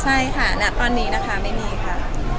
ใช่ค่ะณตอนนี้นะคะไม่มีค่ะ